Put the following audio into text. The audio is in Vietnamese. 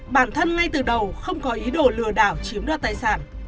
bản thân ngay từ đầu không có ý đồ lừa đảo chiếm đoạt tài sản